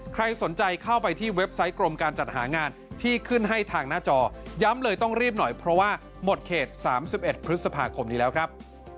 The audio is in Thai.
ใครสนใจเข้าไปที่เว็บไซต์กรมการจัดหางานที่ขึ้นให้ทางหน้าจอย้ำเลยต้องรีบหน่อยเพราะว่าหมดเขต๓๑พฤษภาคมนี้แล้วครับ